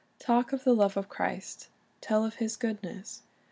Talk of the love of Christ, tell of His goodness.